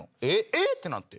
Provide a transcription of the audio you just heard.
「えっ？」ってなって。